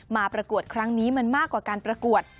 ประกวดครั้งนี้มันมากกว่าการประกวด